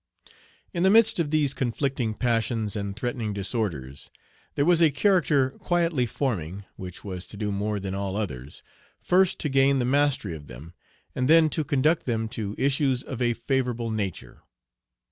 IN the midst of these conflicting passions and threatening disorders, there was a character quietly forming, which was to do more than all others, first to gain the mastery of them, and then to conduct them to issues of a favorable nature.